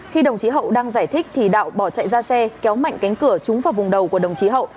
khi đồng chí hậu đang giải thích thì đạo bỏ chạy ra xe kéo mạnh cánh cửa trúng vào vùng đầu của đồng chí hậu